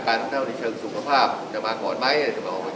ข้างนอกนี้จะสุขภาพเท่านี้จะมาก่อนไหม